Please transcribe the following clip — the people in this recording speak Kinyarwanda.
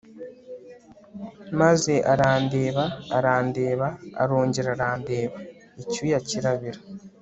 maze arandeba arandeba arongera arandeba icyuya kirabira